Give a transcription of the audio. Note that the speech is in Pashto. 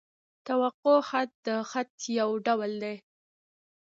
توقع خط؛ د خط یو ډول دﺉ.